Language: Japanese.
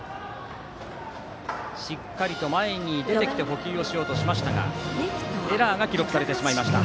しっかりと前に出て捕球しようとしましたがエラーが記録されてしまいました。